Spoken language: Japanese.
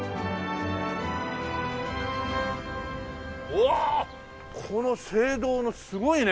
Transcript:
うわこの青銅のすごいね！